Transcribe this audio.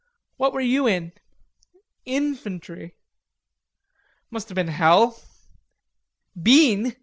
What were you in?" "Infantry." "Must have been hell." "Been!